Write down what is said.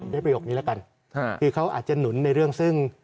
ประโยคนี้แล้วกันคือเขาอาจจะหนุนในเรื่องซึ่ง